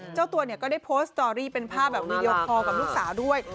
เจ้าตัวเนี่ยก็ได้โพสต์สตอรี่เป็นภาพแบบวีดีโอคอลกับลูกสาวด้วย